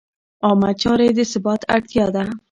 عامه چارې د ثبات اړتیا ده.